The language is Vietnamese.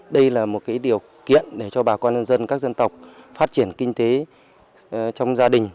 điện lưới quốc gia là điều kiện để cho bà con dân các dân tộc phát triển kinh tế trong gia đình